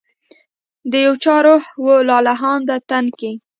د یو چا روح و لا لهانده تن کي